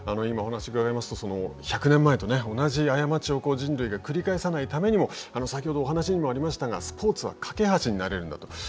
今、お話がありました１００年前と同じ過ちを人類が繰り返さないためにも先ほどお話にもありましたがスポーツは架け橋になれるんだと。